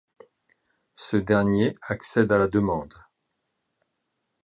Ce dernier accède à la demande.